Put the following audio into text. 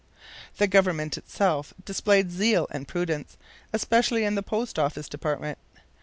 The Government itself displayed zeal and prudence, especially in the Post office department.